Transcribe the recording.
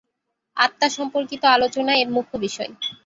আত্মা সম্পর্কিত আলোচনা এর মুখ্য বিষয়।